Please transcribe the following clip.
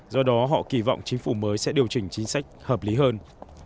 do đó họ kỳ vọng chính phủ mới sẽ điều chỉnh chính sách hợp lý hơn